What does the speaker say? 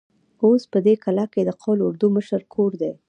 اوس په دې کلا کې د قول اردو د مشر کور دی.